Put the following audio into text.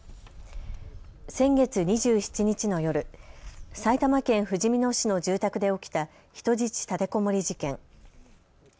先月２７日の夜、埼玉県ふじみ野市の住宅で起きた人質立てこもり事件。